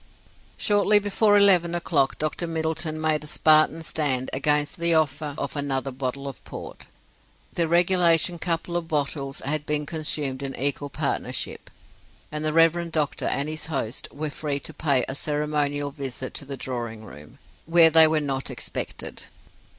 Shortly before eleven o'clock Dr. Middleton made a Spartan stand against the offer of another bottle of Port. The regulation couple of bottles had been consumed in equal partnership, and the Rev. Doctor and his host were free to pay a ceremonial visit to the drawing room, where they were not expected.